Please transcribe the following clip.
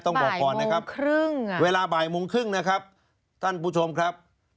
ต้องบอกก่อนนะครับเวลาบ่ายโมงครึ่งนะครับท่านผู้ชมครับ